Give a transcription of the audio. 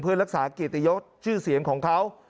เพื่อรักษาเกียรติยศชื่อเสียงของเขา